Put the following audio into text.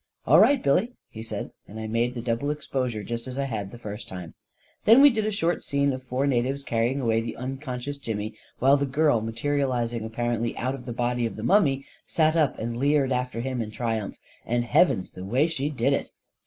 " All right, Billy/' he said, and I made the dou ble exposure, just as I had the first time. Then we did a short scene of four natives carry ing away the unconscious Jimmy, while the girl, ma terializing apparently out of the body of the mummy, sat up and leered after him in triumph — and, heav ens, the way she did it